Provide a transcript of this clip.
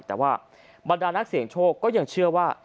แต่ว่าบรรดานักเสี่ยงโชคก็ยังเชื่อว่า